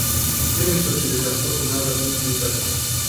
Ce mijloace de transport urmează a fi utilizate?